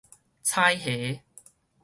彩霞